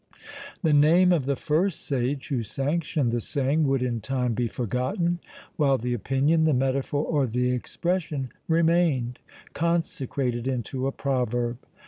The name of the first sage who sanctioned the saying would in time be forgotten, while the opinion, the metaphor, or the expression, remained, consecrated into a proverb!